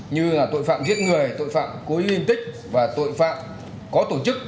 như là tội phạm giết người tội phạm cối liên tích và tội phạm có tổ chức